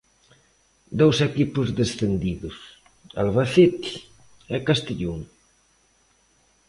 Dous equipos descendidos: Albacete e Castellón.